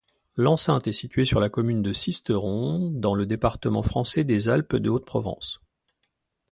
L'enceinte est située sur la commune de Sisteron, dans le département français des Alpes-de-Haute-Provence.